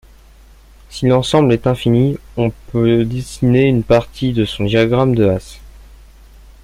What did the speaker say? Si l'ensemble est infini, on peut dessiner une partie de son diagramme de Hasse.